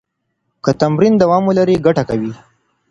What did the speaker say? که تمرین دوام ولري، ګټه کوي.